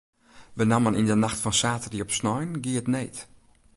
Benammen yn de nacht fan saterdei op snein gie it need.